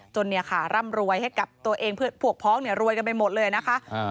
จนร่ำรวยให้กับตัวเองเพื่อผวกพ้องรวยกันไปหมดเลยนะคะ